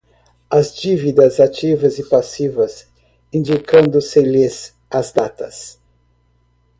as dívidas ativas e passivas, indicando-se-lhes as datas